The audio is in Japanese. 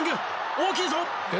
大きいぞ！